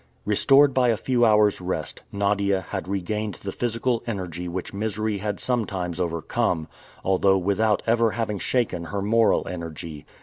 Restored by a few hours' rest, Nadia had regained the physical energy which misery had sometimes overcome, although without ever having shaken her moral energy.